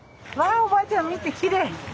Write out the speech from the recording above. あおばあちゃん見てきれい。